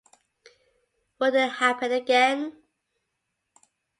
Would it happen again?